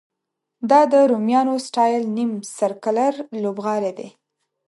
دا د رومیانو سټایل نیم سرکلر لوبغالی دی.